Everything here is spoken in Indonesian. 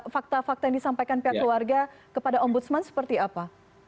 fakta fakta yang disampaikan pihak keluarga kepada ombudsman seperti apa